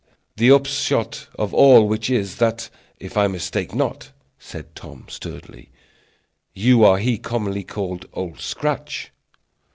"The upshot of all which is, that, if I mistake not," said Tom, sturdily, "you are he commonly called Old Scratch."